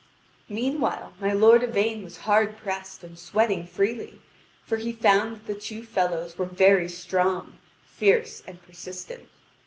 Meanwhile, my lord Yvain was hard pressed and sweating freely, for he found that the two fellows were very strong, fierce, and persistent.